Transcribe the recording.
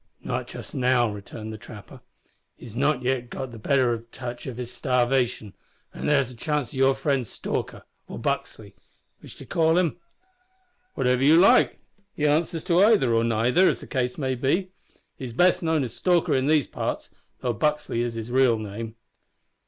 "Not just now," returned the trapper; "he's not yet got the better of his touch o' starvation, an' there's a chance o' your friend Stalker, or Buxley, which d'ye call him?" "Whichever you like; he answers to either, or neither, as the case may be. He's best known as Stalker in these parts, though Buxley is his real name."